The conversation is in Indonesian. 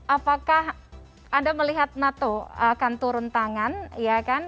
apakah anda melihat nato akan turun tangan ya kan